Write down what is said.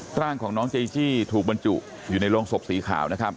ร่างของน้องเจจี้ถูกบรรจุอยู่ในโรงศพสีขาวนะครับ